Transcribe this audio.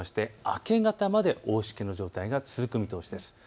明け方まで大しけの状態が続く予想です。